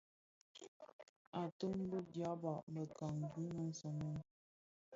Atum bi dyaba mëkangi më somèn.